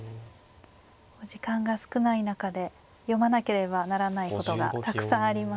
時間が少ない中で読まなければならないことがたくさんありますね。